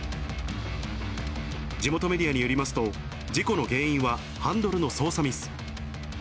地元メディアによりますと、事故の原因はハンドルの操作ミス。